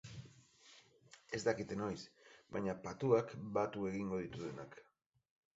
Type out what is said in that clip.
Ez dakite noiz, baina patuak batu egingo ditu denak.